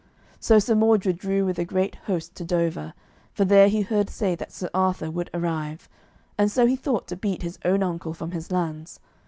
So Sir Mordred drew with a great host to Dover, for there he heard say that Sir Arthur would arrive, and so he thought to beat his own uncle from his lands.